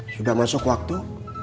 sudah masuk waktu